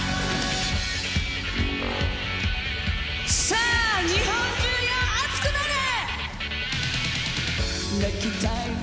さあ日本中よ、熱くなれ！